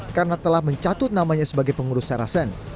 karena telah mencatut namanya sebagai pengurus saracen